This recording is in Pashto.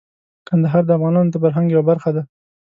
کندهار د افغانانو د فرهنګ یوه برخه ده.